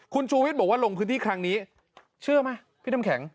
คุณชูวิทย์บอกว่าลงพื้นที่ครั้งนี้เชื่อไหมพี่น้ำแข็ง